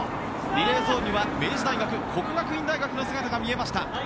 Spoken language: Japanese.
リレーゾーンには明治大学國學院大學の姿が見えました。